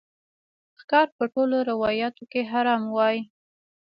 ښکار په ټولو روایاتو کې حرام وای